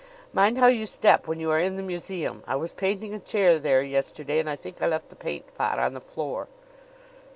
Mind how you step when you are in the museum. I was painting a chair there yesterday and I think I left the paint pot on the floor."